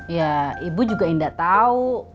ya ibu juga indah tau